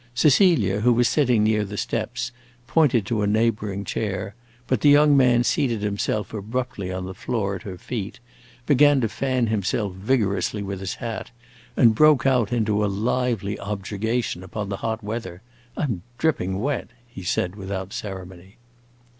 Cecilia, who was sitting near the steps, pointed to a neighboring chair, but the young man seated himself abruptly on the floor at her feet, began to fan himself vigorously with his hat, and broke out into a lively objurgation upon the hot weather. "I 'm dripping wet!" he said, without ceremony.